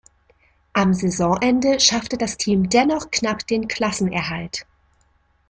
Am Saisonende schaffte das Team dennoch knapp den Klassenerhalt.